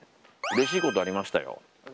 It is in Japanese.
うれしいことありましたよ。